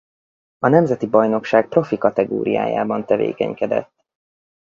A nemzeti bajnokság profi kategóriájában tevékenykedett.